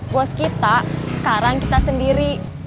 bos kita sekarang kita sendiri